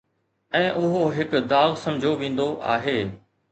۽ اهو هڪ داغ سمجهيو ويندو آهي.